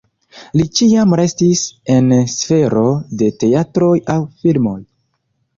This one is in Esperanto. Li ĉiam restis en sfero de teatroj aŭ filmoj.